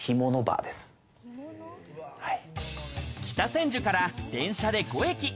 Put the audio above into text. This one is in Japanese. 北千住から電車で５駅。